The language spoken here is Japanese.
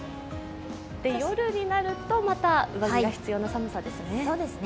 夜になると、また上着が必要な寒さですね。